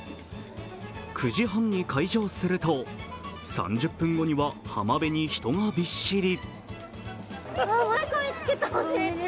９時半に開場すると、３０分後には浜辺に人がびっしり。